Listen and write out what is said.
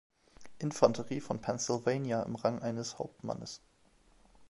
Infanterie von Pennsylvania im Rang eines Hauptmannes.